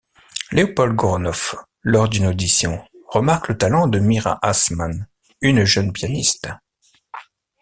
Leopold Goronoff, lors d'une audition, remarque le talent de Myra Hassman, une jeune pianiste.